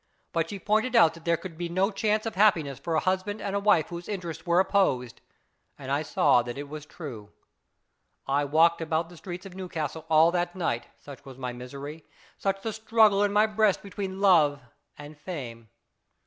But she pointed out that there could be no chance of happiness for a husband and wife whose interests were opposed, and I saw that it was true. I walked about the streets of Newcastle all that night, such was my misery, such the struggle in my breast between love and fame.